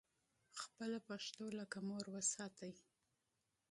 خپله پښتو لکه مور وساتئ